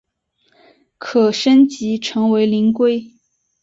可升级成为灵龟。